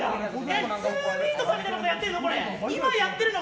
ツービートさんみたいなことやってるの？